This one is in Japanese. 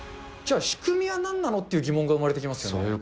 じゃあ、仕組みはなんなの？っていう疑問が生まれてきますよね。